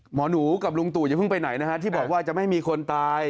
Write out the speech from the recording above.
หมอหนูกับลุงตู่อย่าเพิ่งไปไหนนะฮะที่บอกว่าจะไม่มีคนตาย